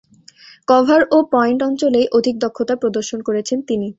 Cover ও point অঞ্চলেই অধিক দক্ষতা প্রদর্শন করেছেন তিনি।